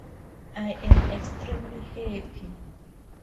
I am extremely happy.